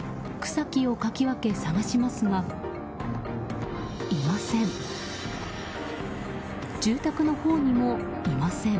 草木をかき分け捜しますがいません。